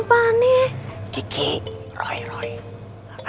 ehhh kayak gini the shit lu lagi video dilaben